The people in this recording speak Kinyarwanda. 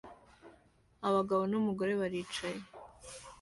Abagabo n'umugore baricaye